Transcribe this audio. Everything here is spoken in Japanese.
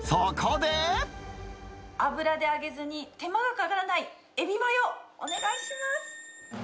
油で揚げずに手間がかからないエビマヨ、お願いします。